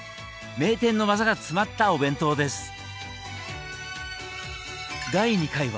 名店のワザが詰まったお弁当です。